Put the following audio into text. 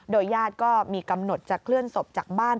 ญาติก็มีกำหนดจะเคลื่อนศพจากบ้าน